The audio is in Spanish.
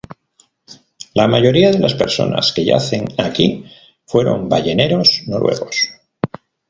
La mayoría de las personas que yacen aquí fueron balleneros noruegos.